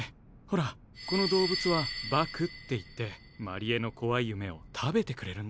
ほらこの動物は獏っていって真理恵のこわい夢を食べてくれるんだ。